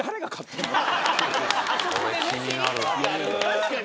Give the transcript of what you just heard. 確かに。